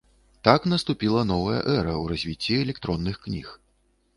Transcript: Так наступіла новая эра ў развіцці электронных кніг.